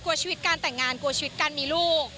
กลัวชีวิตการแต่งงานกลัวชีวิตการมีลูก